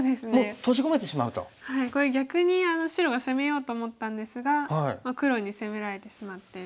これ逆に白が攻めようと思ったんですが黒に攻められてしまって。